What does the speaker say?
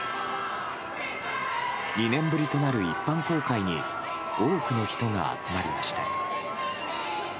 ２年ぶりとなる一般公開に多くの人が集まりました。